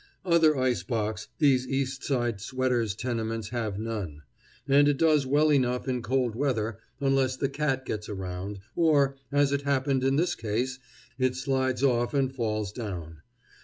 Other ice box these East Side sweaters' tenements have none. And it does well enough in cold weather, unless the cat gets around, or, as it happened in this case, it slides off and falls down.